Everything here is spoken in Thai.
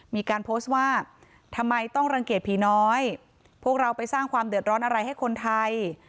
มีการโพสต์ว่าทำไมต้องรังเกียจผีน้อยพวกเราไปสร้างความเดือดร้อนอะไรให้คนไทย